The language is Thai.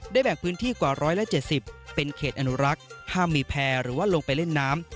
แบ่งพื้นที่กว่า๑๗๐เป็นเขตอนุรักษ์ห้ามมีแพร่หรือว่าลงไปเล่นน้ำ